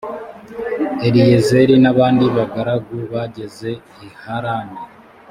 eliyezeri n abandi bagaragu bageze i harani